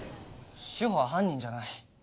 志法は犯人じゃない。